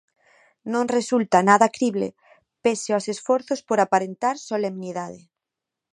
Non resulta nada crible pese aos esforzos por aparentar solemnidade.